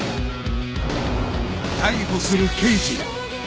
逮捕する刑事